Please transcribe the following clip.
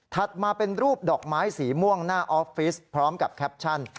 มาเป็นรูปดอกไม้สีม่วงหน้าออฟฟิศพร้อมกับแคปชั่น